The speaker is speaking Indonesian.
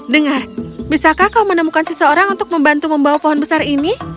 dengar bisakah kau menemukan seseorang untuk membantu membawa pohon besar ini